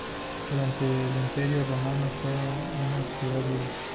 Durante el Imperio romano fue una ciudad libre.